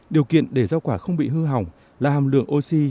điều kiện để rau quả không bị hư hỏng là hàm lượng oxy